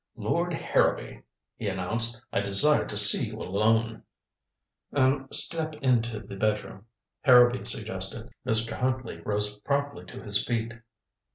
"Lord Harrowby," he announced, "I desire to see you alone." "Er step into the bedroom," Harrowby suggested. Mr. Huntley rose promptly to his feet.